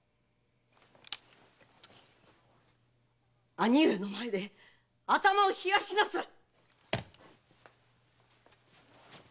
兄上の前で頭を冷やしなさい！